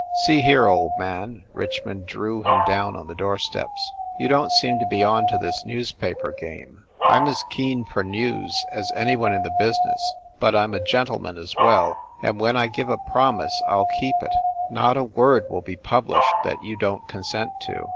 "See here, old man !" Richmond drew him down on the doorsteps. "You don t seem to be onto this newspaper game. I m as keen for news as any one in the business, but I m a gentleman as well, and when I give a promise, I ll keep it. Not a word will be published that you don t consent to.